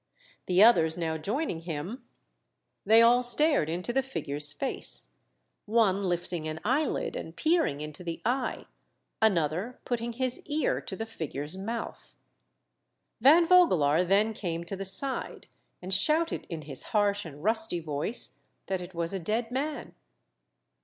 The others now joining him, they all stared into the figure's face ; one lifting an eyelid and peering into the eye, another putting his ear to the figure's mouth. Van Voeelaar then came to the side, and shouted in his harsh and rusty voice that it was a dead man.